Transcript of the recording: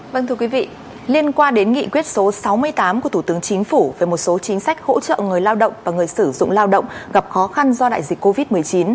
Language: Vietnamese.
vâng thưa quý vị liên quan đến nghị quyết số sáu mươi tám của thủ tướng chính phủ về một số chính sách hỗ trợ người lao động và người sử dụng lao động gặp khó khăn do đại dịch covid một mươi chín